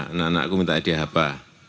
anak anakku minta adik apa